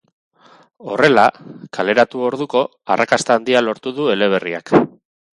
Horrela, kaleratu orduko arrakasta handia lortu du eleberriak.